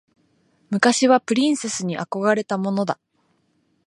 昔はプリンセスに憧れたものだ。